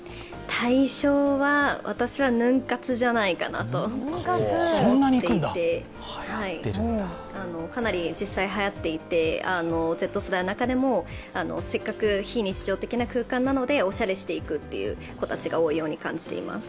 大賞は、私はヌン活じゃないかなと思っていて、かなり実際はやっていてＺ世代の中でもせっかく非日常的な空間なのでおしゃれしていく子たちが多いように感じます。